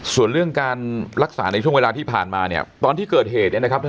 ส่วนเรื่องการรักษาในช่วงเวลาที่ผ่านมาเนี่ยตอนที่เกิดเหตุเนี่ยนะครับ